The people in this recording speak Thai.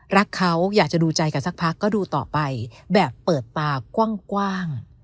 รักเขาอยากจะดูใจกันสักพักก็ดูต่อไปแบบเปิดตากว้าง